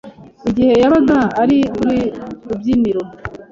igihe yabaga ari ku rubyiniro.